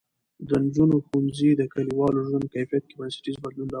د نجونو ښوونځی د کلیوالو ژوند کیفیت کې بنسټیز بدلون راولي.